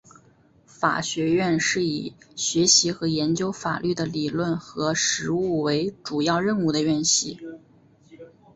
法学院是以学习和研究法律的理论和实务为主要任务的院系。